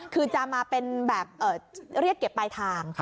คือจะมาเป็นแบบเรียกเก็บปลายทาง